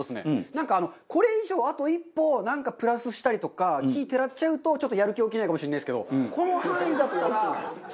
なんかこれ以上あと一歩なんかプラスしたりとか奇をてらっちゃうとちょっとやる気起きないかもしれないですけど。